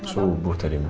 subuh tadi mah